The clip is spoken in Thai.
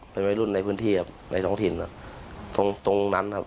เป็นวัยรุ่นในพื้นที่ครับในท้องถิ่นครับตรงนั้นครับ